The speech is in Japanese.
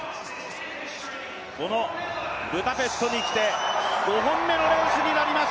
このブダペストに来て５本目のレースになります。